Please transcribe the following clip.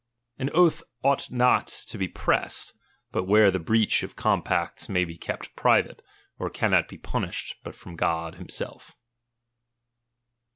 An oath ought not to be pressed, but where the breach of com pacts may be kepi private, or cannot be punished but from God himself.